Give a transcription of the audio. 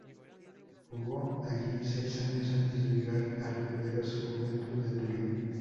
Jugó allí seis años antes de llegar al poderoso Juventus de Turín.